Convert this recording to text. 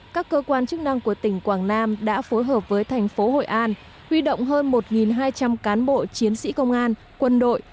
các cơ quan chức năng của tỉnh quảng nam đã phối hợp với thành phố hội an huy động hơn một hai trăm linh cán bộ chiến sĩ công an quân đội